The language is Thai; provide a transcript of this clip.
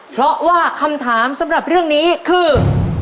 เพราะว่าคำถามสำหรับเรื่องนี้คือ